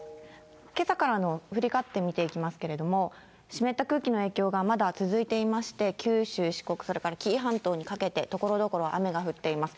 けさからの降り方で見ていきますけれども、湿った空気の影響がまだ続いていまして、九州、四国、それから紀伊半島にかけて、ところどころ雨が降っています。